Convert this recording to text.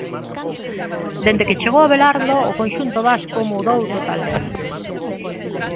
Dende que chegou Abelardo, o conxunto vasco mudou totalmente.